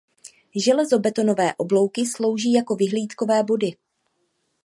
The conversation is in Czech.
Železobetonové oblouky slouží jako vyhlídkové body.